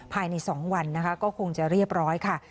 ภายใน๒วันนะคะก็คงจะเรียบร้อยค่ะ